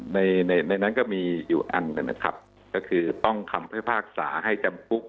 ในในนั้นก็มีอยู่อันหนึ่งนะครับก็คือต้องคำพิพากษาให้จำคุก